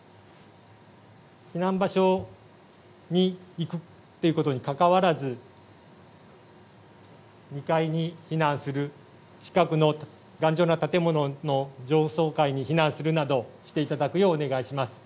避難場所に行くということにかかわらず２階に避難する近くの頑丈な建物の上層階に避難していただくなどしていただくようお願いします。